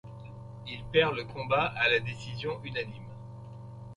I perd le combat à la décision unanime.